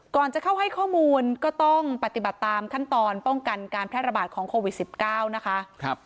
จะเข้าให้ข้อมูลก็ต้องปฏิบัติตามขั้นตอนป้องกันการแพร่ระบาดของโควิด๑๙นะคะ